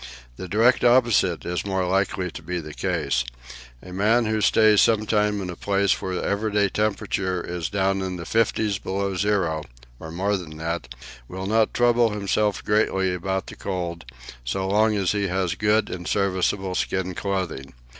The direct opposite is more likely to be the case. A man who stays some time in a place where the everyday temperature is down in the fifties below zero, or more than that, will not trouble himself greatly about the cold, so long as he has good and serviceable skin clothing.